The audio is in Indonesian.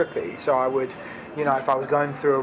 jadi saya menggunakan penulisan sebagai terapi